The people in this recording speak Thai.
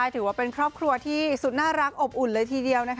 ถือว่าเป็นครอบครัวที่สุดน่ารักอบอุ่นเลยทีเดียว